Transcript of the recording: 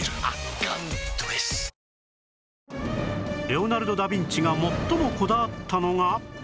レオナルド・ダ・ヴィンチが最もこだわったのが